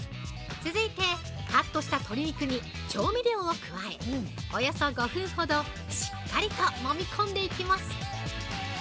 ◆続いて、カットした鶏肉に調味料を加え、およそ５分ほどしっかりと、もみ込んでいきます。